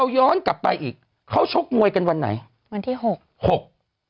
ย้อนกลับไปอีกเขาชกมวยกันวันไหนวันที่หกหก